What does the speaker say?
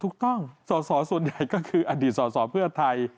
ถูกต้องสอสอส่วนใหญ่ก็คืออดีตสอสอเพื่อไทย